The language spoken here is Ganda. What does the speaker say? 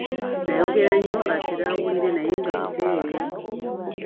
Nayogera nnyo atere awulire naye nga buteerere.